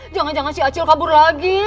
jangan jangan si acil kabur lagi